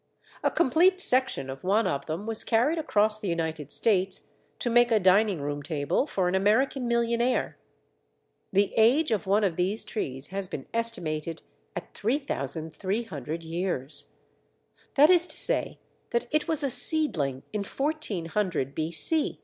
A complete section of one of them was carried across the United States to make a dining room table for an American millionaire. The age of one of these trees has been estimated at 3300 years. That is to say that it was a seedling in 1400 B.C.